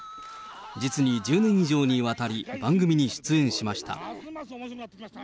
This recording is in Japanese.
実に１０年以上にわたり、番組に出演しました。